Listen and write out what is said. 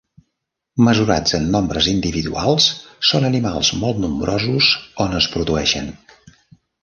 Mesurats en nombres individuals, són animals molt nombrosos on es produeixen.